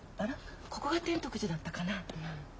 ここが天徳寺だったかな？